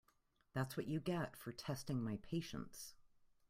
That’s what you get for testing my patience.